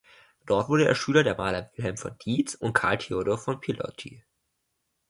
Dort wurde er Schüler der Maler Wilhelm von Diez und Carl Theodor von Piloty.